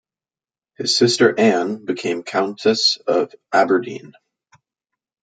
His sister Anne, became Countess of Aberdeen.